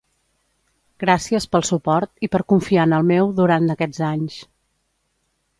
Gràcies pel suport i per confiar en el meu durant aquests anys.